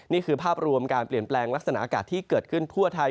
นี่คือภาพรวมการเปลี่ยนแปลงลักษณะอากาศที่เกิดขึ้นทั่วไทย